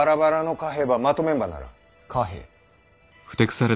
貨幣。